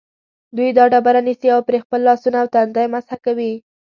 دوی دا ډبره نیسي او پرې خپل لاسونه او تندی مسح کوي.